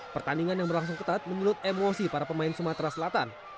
pertandingan yang berlangsung ketat menyulut emosi para pemain sumatera selatan